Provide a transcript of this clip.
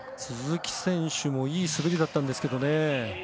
鈴木選手もいい滑りだったんですけどね。